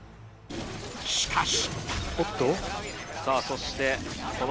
しかし。